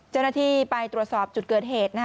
เจ้าหน้าที่ไปตรวจสอบจุดเกิดเหตุ